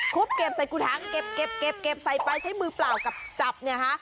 คุบเก็บใส่กูถังเก็บเก็บเก็บเก็บใส่ไปใช้มือเปล่ากับจับเนี้ยฮะ